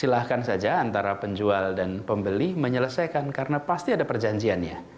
silahkan saja antara penjual dan pembeli menyelesaikan karena pasti ada perjanjiannya